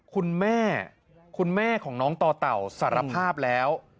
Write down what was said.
คุณแม่คุณแม่ของน้องต่อเต่าสารภาพแล้ว